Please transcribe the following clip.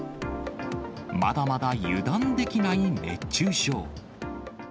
まだまだ油断できない熱中症。